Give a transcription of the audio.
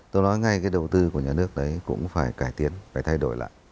tôi nói ngay cái đầu tư của nhà nước đấy cũng phải cải tiến phải thay đổi lại